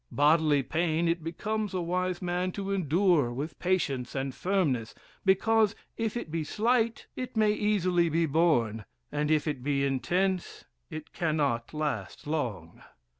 Bodily pain it becomes a wise man to endure with patience and firmness; because, if it be slight, it may easily be borne; and if it be intense, it cannot last long.